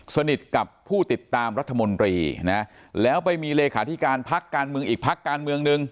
สนิทกับผู้ติดตามรัฐมนตรีนะแล้วไปมีเลขาธิการพักการเมืองอีกพักการเมืองหนึ่ง